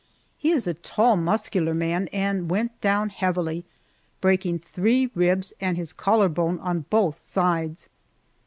He is a tall, muscular man and went down heavily, breaking three ribs and his collar bone on both sides!